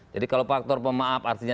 jadi kalau faktor pemaaf artinya